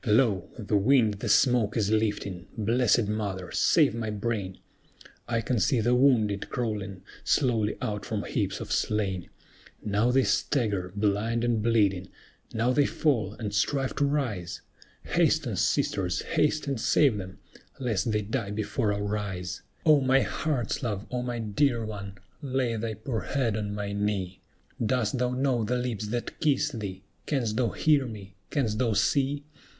"Lo! the wind the smoke is lifting. Blessed Mother, save my brain! I can see the wounded crawling slowly out from heaps of slain. Now they stagger, blind and bleeding; now they fall, and strive to rise; Hasten, sisters, haste and save them, lest they die before our eyes! "O my heart's love! O my dear one! lay thy poor head on my knee; Dost thou know the lips that kiss thee? Canst thou hear me? canst thou see?